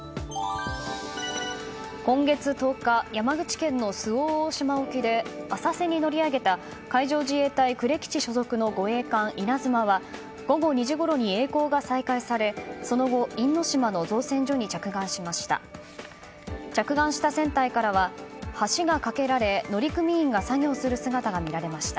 今月１０日山口県の周防大島沖で浅瀬に乗り上げた海上自衛隊呉基地所属の護衛艦「いなづま」は午後２時ごろにえい航が再開されその後、因島の造船所に着岸しました。